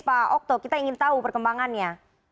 pak okto kita ingin tahu perkembangannya